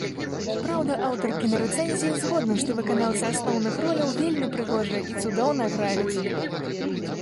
Праўда, аўтар кінарэцэнзіі згодны, што выканаўцы асноўных роляў вельмі прыгожыя і цудоўна граюць.